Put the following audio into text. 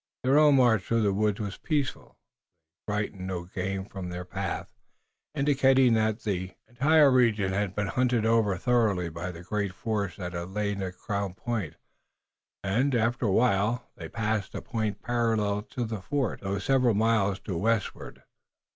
Their own march through the woods was peaceful. They frightened no game from their path, indicating that the entire region had been hunted over thoroughly by the great force that had lain at Crown Point, and, after a while, they passed a point parallel to the fort, though several miles to the westward.